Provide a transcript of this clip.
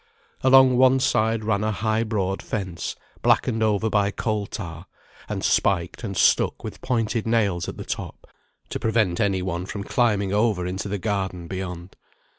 Along one side ran a high broad fence, blackened over by coal tar, and spiked and stuck with pointed nails at the top, to prevent any one from climbing over into the garden beyond.